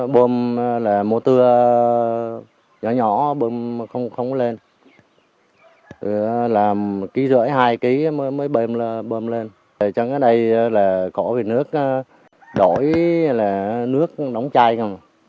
bơm là mua tưa nhỏ nhỏ bơm không lên làm một năm hai kg mới bơm lên trong cái đây là có vị nước đổi là nước nóng chay không